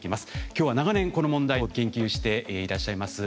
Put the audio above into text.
今日は長年この問題を研究していらっしゃいます